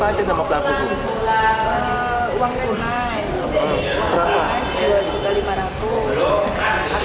tapi ya disisakan ada sisanya mas